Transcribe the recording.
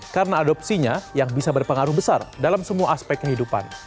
karena adopsinya yang bisa berpengaruh besar dalam semua aspek kehidupan